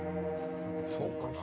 そうかな？